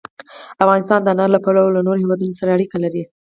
افغانستان د انارو له پلوه له نورو هېوادونو سره اړیکې لري.